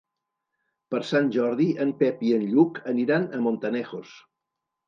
Per Sant Jordi en Pep i en Lluc aniran a Montanejos.